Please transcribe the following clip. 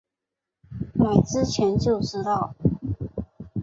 买之前就知道